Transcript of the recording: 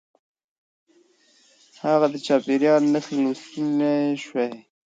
هغه د چاپېريال نښې لوستلای شوې.